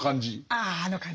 あああの感じ。